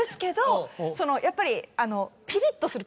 やっぱり。